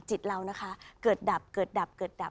จิตเรานะคะเกิดดับเกิดดับเกิดดับ